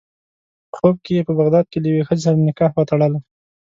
په خوب کې یې په بغداد کې له یوې ښځې سره نکاح وتړله.